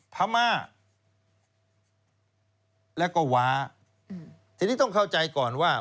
พม่าแล้วก็ว้าทีนี้ต้องเข้าใจก่อนว่า